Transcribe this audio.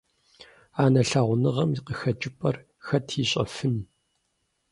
Анэ лъагъуныгъэм и къыхэкӀыпӀэр хэт ищӀэфын.